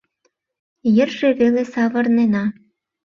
Йырже веле савырнена.